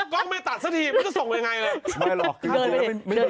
กล้องไม่ตัดสักทีมันจะส่งยังไงเลย